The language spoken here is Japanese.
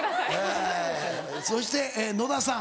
そして野田さん。